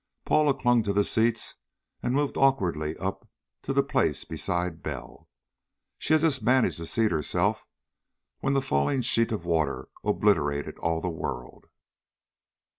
Paula clung to the seats and moved awkwardly up to the place beside Bell. She had just managed to seat herself when the falling sheet of water obliterated all the world.